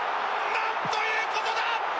なんということだ！